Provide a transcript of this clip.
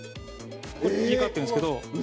これ切り替わってるんですけど。